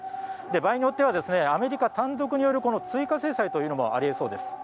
場合によってはアメリカ単独による追加制裁もあり得そうです。